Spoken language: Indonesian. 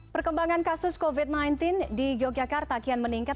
perkembangan kasus covid sembilan belas di yogyakarta kian meningkat